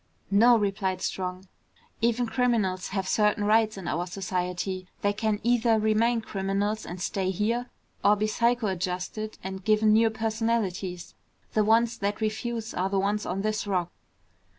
"No," replied Strong. "Even criminals have certain rights in our society. They can either remain criminals and stay here, or be psychoadjusted and given new personalities. The ones that refuse are the ones on this Rock."